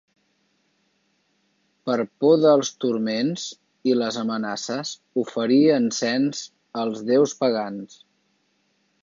Per por dels turments i les amenaces oferí encens als déus pagans.